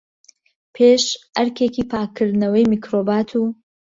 پێش ئەرکێکی پاکردنەوەی میکرۆبات، و